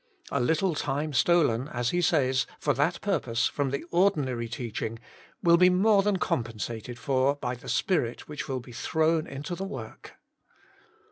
A little time stolen, as he says, for that purpose, from the ordinary teaching, will be more than compensated for by the spirit which will be thrown into the work.